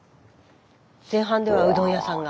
前半ではうどん屋さんが。